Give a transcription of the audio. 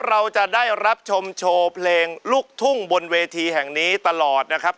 เราจะได้รับชมโชว์เพลงลูกทุ่งบนเวทีแห่งนี้ตลอดนะครับ